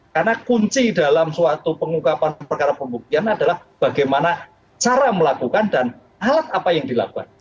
karena kunci dalam suatu pengungkapan perkara pembuktian adalah bagaimana cara melakukan dan alat apa yang dilakukan